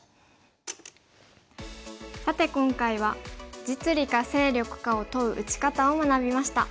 さて今回は実利か勢力かを問う打ち方を学びました。